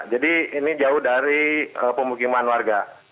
jadi ini jauh dari pemukiman warga